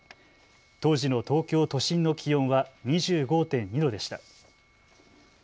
当時の東京都心の気温は２５．２度でした。